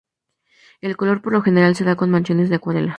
El color, por lo general, se da con manchones de acuarela.